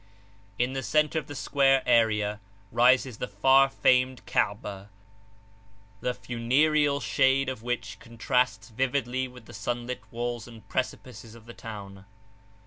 In the centre of the square area rises the far famed Kabah, the funereal shade of which contrasts vividly with the sunlit walls and precipices of the town.